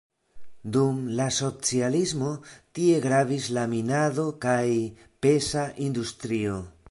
Dum la socialismo tie gravis la minado kaj peza industrio.